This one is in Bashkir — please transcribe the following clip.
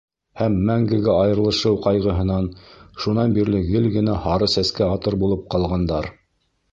Һәм мәңгегә айырылышыу ҡайғыһынан шунан бирле гел генә һары сәскә атыр булып ҡалғандар.